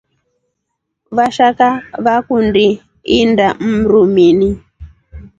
Vashaka vakundi indaa mrumini.